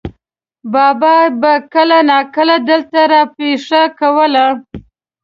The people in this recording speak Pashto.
بابا به کله ناکله دلته را پېښه کوله.